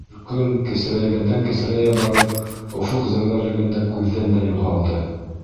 Төркөм, кесерәйгәндән-кесерәйә барып, офоҡ зәңгәрлегендә күҙҙән дә юғалды.